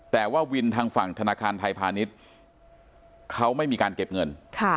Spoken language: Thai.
แต่ว่าวินทางฝั่งธนาคารไทยพาณิชย์เขาไม่มีการเก็บเงิน